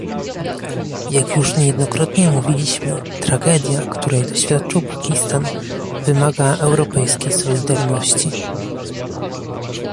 Jak już niejednokrotnie mówiliśmy, tragedia, której doświadczył Pakistan, wymaga europejskiej solidarności